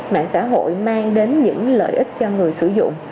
mạng xã hội mang đến những lợi ích cho người sử dụng